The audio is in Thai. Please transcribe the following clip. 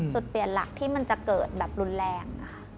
จุดเปลี่ยนหลักที่มันจะเกิดแบบรุนแรง